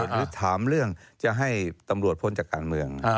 หรือถามเรื่องจะให้ตำรวจพ้นจากการเมือง